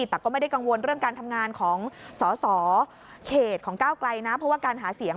แต่ก็ไม่ได้กังวลเรื่องการทำงานของสสเขตของก้าวกลายนะ